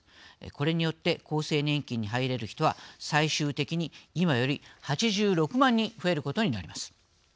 これによって厚生年金に入れる人は最終的に今より８６万人増えることになります。